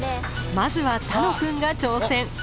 まずは楽くんが挑戦。